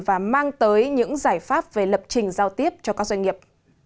và mang tới những giải pháp về lập trình giao tiếp cho các doanh nghiệp